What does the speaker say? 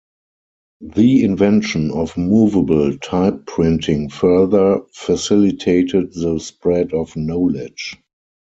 The invention of movable-type printing further facilitated the spread of knowledge.